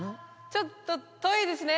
ちょっと遠いですね